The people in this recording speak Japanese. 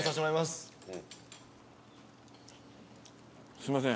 すいません。